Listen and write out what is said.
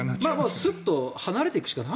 すっと離れていくしかない。